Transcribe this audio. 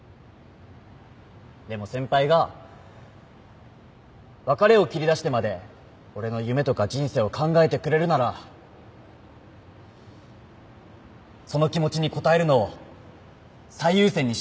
でも先輩が別れを切り出してまで俺の夢とか人生を考えてくれるならその気持ちに応えるのを最優先にしようって。